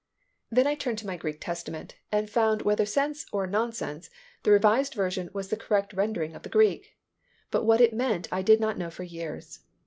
Then I turned to my Greek Testament and I found whether sense or nonsense, the Revised Version was the correct rendering of the Greek, but what it meant I did not know for years.